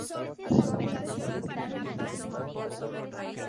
Como en este distrito se concentran depresiones, tiene aptitud baja.